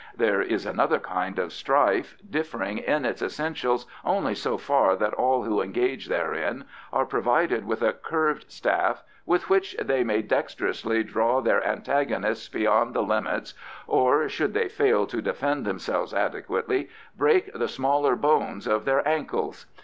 There is also another kind of strife, differing in its essentials only so far that all who engage therein are provided with a curved staff, with which they may dexterously draw their antagonists beyond the limits, or, should they fail to defend themselves adequately, break the smaller bones of their ankles.